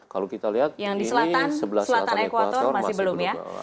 kalau kita lihat ini sebelah selatan ekwator masih belum ya